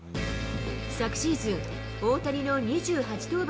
昨シーズン、大谷の２８登板